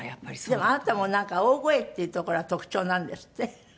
でもあなたもなんか大声っていうところが特徴なんですって？